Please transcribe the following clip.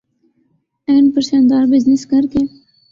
and پر شاندار business کرکے